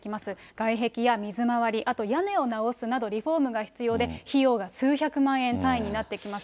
外壁や水回り、あと屋根を直すなど、リフォームが必要で、費用が数百万円単位になってきます。